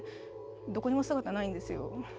どこにも姿ないんですよ。